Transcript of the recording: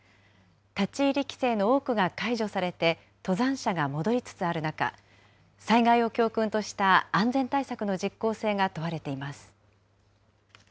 立ち入り規制の多くが解除されて、登山者が戻りつつある中、災害を教訓とした安全対策の実効性が問われています。